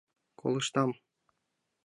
Колыштам.